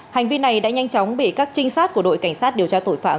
hành vi này đã nhanh chóng bị các trinh sát của đội cảnh sát điều tra tội phạm